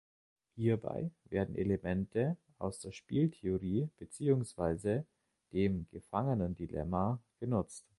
Hierbei werden Elemente aus der Spieltheorie beziehungsweise dem Gefangenendilemma genutzt.